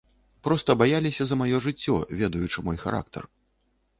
Проста баяліся за маё жыццё, ведаючы мой характар.